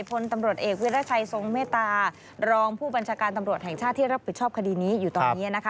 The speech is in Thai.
พลตำรวจเอกวิรัชัยทรงเมตตารองผู้บัญชาการตำรวจแห่งชาติที่รับผิดชอบคดีนี้อยู่ตอนนี้นะคะ